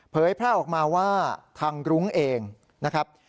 แพร่ออกมาว่าทางรุ้งเองนะครับ